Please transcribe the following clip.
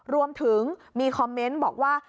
รวมถึงมีคอมเมนต์บอกว่า